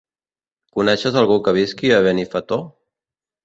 Coneixes algú que visqui a Benifato?